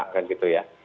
kan gitu ya